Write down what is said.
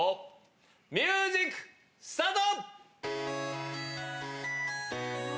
ミュージックスタート。